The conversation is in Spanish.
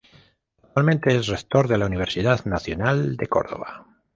Actualmente es Rector de la Universidad Nacional de Córdoba.